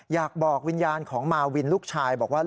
อยากบอกวิญญาณของมาวินลูกชายบอกว่า